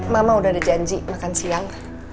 mama udah ada janji makan siang